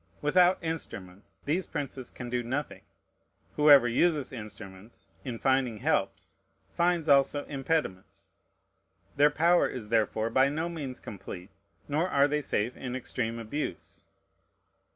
Without instruments, these princes can do nothing. Whoever uses instruments, in finding helps, finds also impediments. Their power is therefore by no means complete; nor are they safe in extreme abuse.